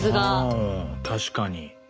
うん確かに。